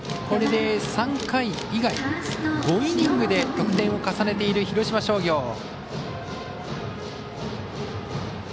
これで３回以外、５イニングで得点を重ねている広島商業。